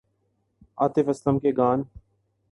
عاطف اسلم کے گان